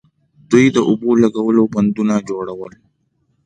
دوی د اوبو لګولو بندونه جوړول